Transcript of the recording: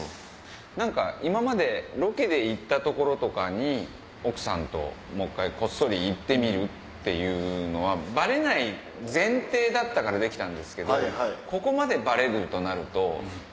今までロケで行った所とかに奥さんともう１回こっそり行ってみるというのはバレない前提だったからできたんですけど。